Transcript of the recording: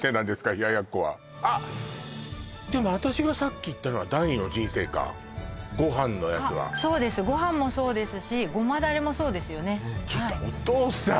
でも私がさっき言ったのは第２の人生かご飯のやつはそうですご飯もそうですしゴマだれもそうですよねちょっとお父さん！